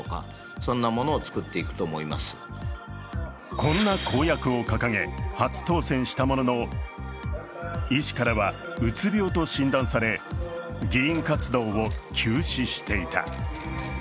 こんな公約を掲げ、初当選したものの、医師からは、うつ病と診断され議員活動を休止していた。